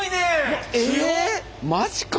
えマジか！？